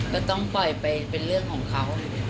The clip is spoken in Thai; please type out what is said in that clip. ก็ต้องปล่อยไปเป็นเรื่องของเขา